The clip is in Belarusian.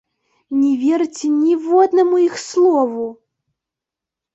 Не верце ніводнаму іх слову!